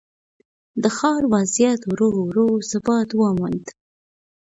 د ښار وضعیت ورو ورو ثبات وموند.